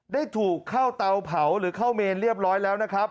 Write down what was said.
ได้ถูกเข้าเตาเผาหรือเข้าเมนเรียบร้อยแล้วนะครับ